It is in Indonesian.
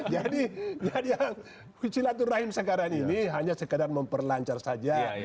jadi yang cilatur rahim sekarang ini hanya sekadar memperlancar saja